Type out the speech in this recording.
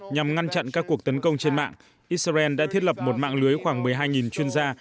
nhằm ngăn chặn các cuộc tấn công trên mạng israel đã thiết lập một mạng lưới khoảng một mươi hai chuyên gia